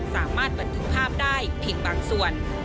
สามารถบันทึกภาพได้เพียงบางส่วน